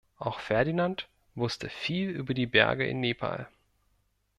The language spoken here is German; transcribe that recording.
Auch Ferdinand wusste viel über die Berge in Nepal.